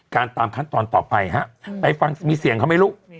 การตามคันตอนต่อไปครับไปฟังมีเสียงเขาไม่รู้